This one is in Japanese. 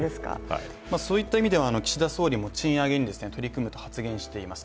そういった意味では岸田総理も賃上げに取り組むと発言しています。